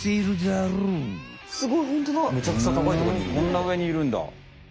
あんな上にいるんだ。